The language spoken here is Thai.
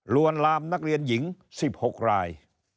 วนลามนักเรียนหญิง๑๖ราย